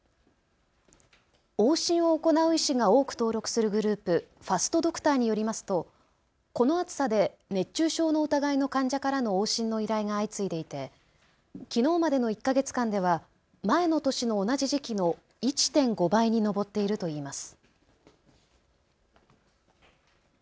往診を行う医師が多く登録するグループ、ファストドクターによりますとこの暑さで熱中症の疑いの患者からの往診の依頼が相次いでいてきのうまでの１か月間では前の年の同じ時期の１．５倍に上っているといいます。